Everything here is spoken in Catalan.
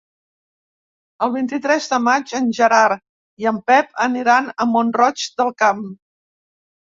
El vint-i-tres de maig en Gerard i en Pep aniran a Mont-roig del Camp.